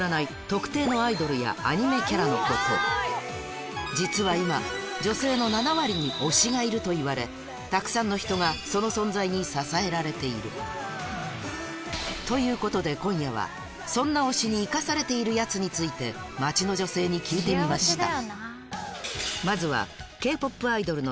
特定のアイドルやアニメキャラのこと実は今といわれたくさんの人がその存在に支えられているということで今夜はそんな推しに生かされているヤツについて街の女性に聞いてみました